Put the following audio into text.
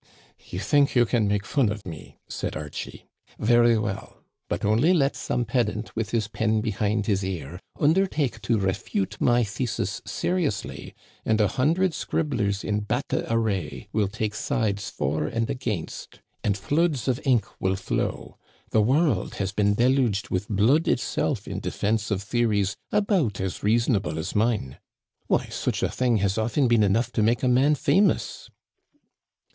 " You think you can make fun of me," said Archie. Very well, but only let some pedant, with his pen be hind his ear, undertake to refute my thesis seriously, and a hundred scribblers in battle array will take sides for and against, and floods of ink will flow. The world has been deluged with blood itself in defense of theories about as reasonable as mine. Why such a thing has often been enough to make a man famous."